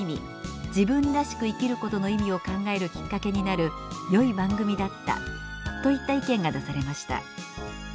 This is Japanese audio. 自分らしく生きることの意味を考えるきっかけになるよい番組だった」といった意見が出されました。